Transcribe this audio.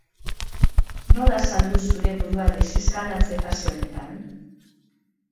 Nola saldu zure burua deseskalatze fase honetan?